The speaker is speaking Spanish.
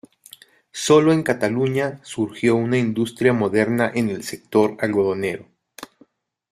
Sólo en Cataluña surgió una industria moderna en el sector algodonero.